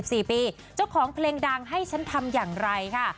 สี่ปีเจ้าของเพลงดังให้ฉันทำอย่างไรค่ะ